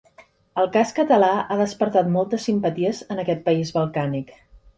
El cas català ha despertat moltes simpaties en aquest país balcànic.